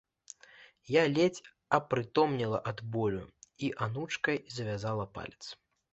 Я ледзь апрытомнела ад болю і анучкай завязала палец.